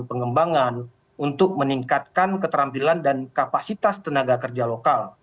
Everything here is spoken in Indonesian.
pengembangan untuk meningkatkan keterampilan dan kapasitas tenaga kerja lokal